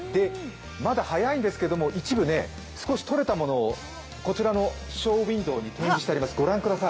まだ早いんですけれども一部、少しとれたものをこちらのショーウインドーに展示してあります。